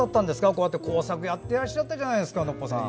こうやって工作やってらっしゃったじゃないですか、ノッポさん。